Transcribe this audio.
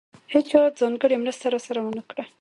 هېچا ځانګړې مرسته راسره ونه کړه.